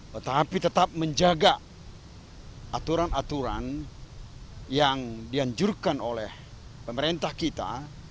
tetapi tetap menjaga aturan aturan yang dianjurkan oleh pemerintah kita